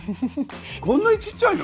こんなにちっちゃいの？